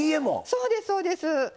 そうですそうです。